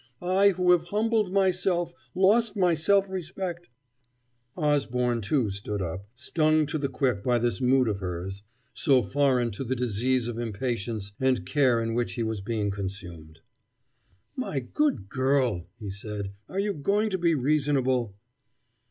I who have humbled myself, lost my self respect " Osborne, too, stood up, stung to the quick by this mood of hers, so foreign to the disease of impatience and care in which he was being consumed. "My good girl," he said, "are you going to be reasonable?"